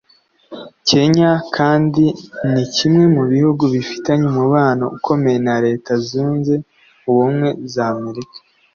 Kenya kandi ni kimwe mu bihugu bifitanye umubano ukomeye na Leta Zunze ubumwe za Amerika